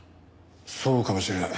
そうかもしれない。